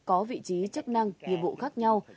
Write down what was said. có vị trí chức năng nhiệm vụ khác nhau